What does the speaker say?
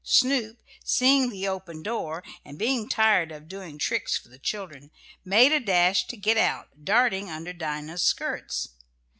Snoop, seeing the open door, and being tired of doing tricks for the children, made a dash to get out, darting under Dinah's skirts.